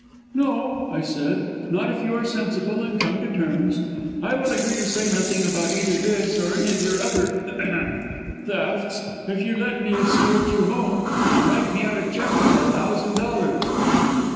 "'No,' I said, 'not if you are sensible and come to terms. I will agreeto say nothing about either this or any of your other ahem! thefts if you let me escort you home, and write me out a cheque for a thousand dollars!'